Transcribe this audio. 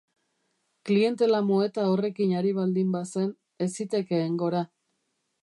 Klientela moeta horrekin ari baldin bazen, ez zitekeen gora.